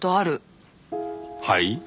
はい？